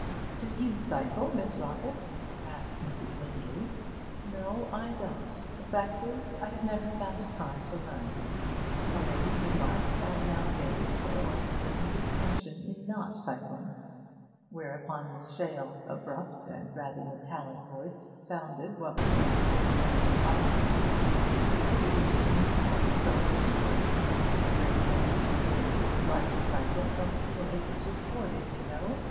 'Do you cycle, Miss Rockett?' asked Mrs. Lindley. 'No, I don't. The fact is, I have never found time to learn.' A lady remarked that nowadays there was a certain distinction in not cycling; whereupon Miss Shale's abrupt and rather metallic voice sounded what was meant for gentle irony. 'It's a pity the machines can't be sold cheaper. A great many people who would like to cycle don't feel able to afford it, you know.